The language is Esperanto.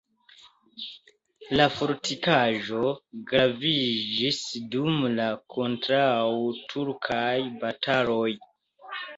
La fortikaĵo graviĝis dum la kontraŭturkaj bataloj.